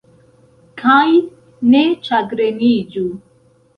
Kaj ne ĉagreniĝu.